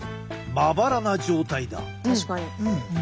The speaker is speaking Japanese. まばらな状態だ。